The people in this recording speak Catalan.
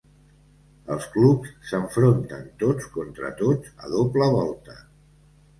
Els clubs s'enfronten tots contra tots a doble volta.